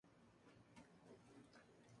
Crítica del no-cognitivismo.